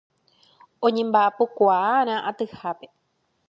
Oñembaʼapokuaaʼarã atyhápe.